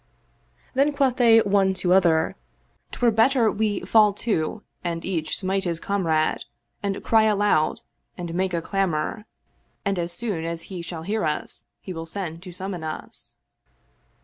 Then quoth they one to other, " 'Twere better we fall to and each smite his comrade and cry aloud and make a clamor, and as soon as he shall hear us he will send to summon us."